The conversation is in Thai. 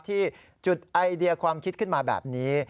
ที่จุดไอเดียความคิดขึ้นมาแบบนี้